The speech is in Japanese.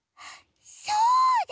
そうだ！